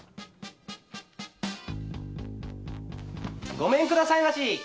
ごめんくださいまし！